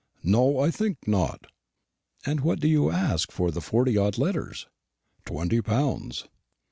No, I think not." "And what do you ask for the forty odd letters?" "Twenty pounds."